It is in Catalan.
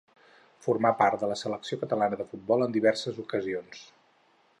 Formà part de la selecció catalana de futbol en diverses ocasions.